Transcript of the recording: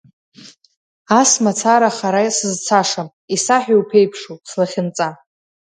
Ас мацара хара сызцашам, исаҳә иуԥеиԥшу, слахьынҵа.